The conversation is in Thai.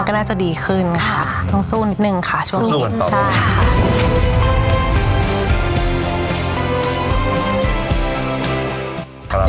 มันก็น่าจะดีขึ้นค่ะต้องสู้นิดหนึ่งค่ะช่วงนี้สู้สู้ต่อไป